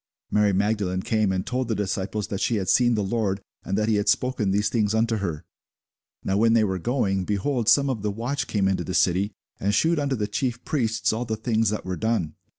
Mary Magdalene came and told the disciples that she had seen the Lord, and that he had spoken these things unto her. Now when they were going, behold, some of the watch came into the city, and shewed unto the chief priests all the things that were done.